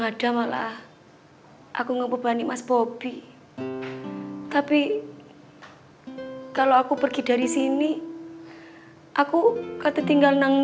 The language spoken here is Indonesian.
oh iya tidak malah aku berarti mas bobby tapi kalau aku pergi dari sini aku puppies tinggal nanak